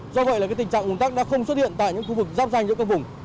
do vậy là tình trạng ủn tắc đã không xuất hiện tại những khu vực giáp danh giữa các vùng